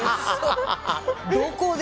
どこで？